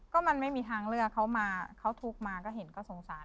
ก็มันไม่มีทางเลือกเขามาเขาทุกข์มาก็เห็นก็สงสาร